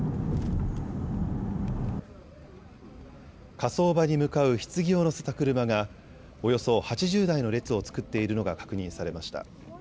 火葬場に向かうひつぎを乗せた車がおよそ８０台の列を作っているのが確認されました。